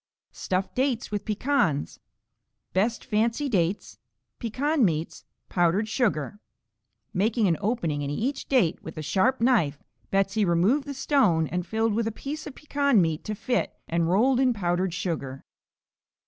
Stuffed Dates with Pecans Best fancy dates. Pecan meats. Powdered sugar. Making an opening into each date with a sharp knife, Betsey removed the stone and filled with a piece of pecan meat to fit, and rolled in powdered sugar.